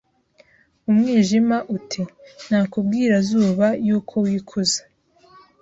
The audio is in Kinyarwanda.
Umwijima uti ntakubwira Zuba yuko wikuza